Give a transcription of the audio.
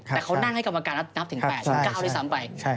แต่เขานั่งให้กรรมการนับถึง๘๙ด้วยซ้ำไป